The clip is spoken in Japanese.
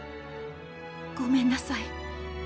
ごめんなさい。